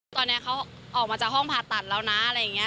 ตอนนี้เขาออกมาจากห้องผ่าตัดแล้วนะอะไรอย่างนี้